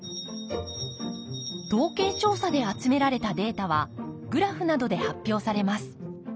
統計調査で集められたデータはグラフなどで発表されます。